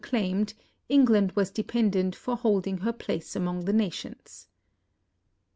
claimed, England was dependent for holding her place among the nations.